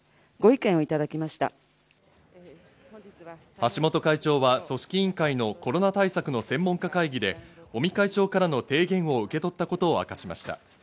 橋本会長は組織委員会のコロナ対策の専門家会議で尾身会長からの提言を受け取ったことを明らかにしました。